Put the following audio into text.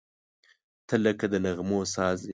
• ته لکه د نغمو ساز یې.